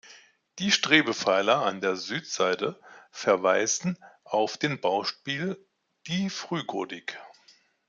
Die Strebepfeiler an der Südseite verweisen auf den Baustil: die Frühgotik.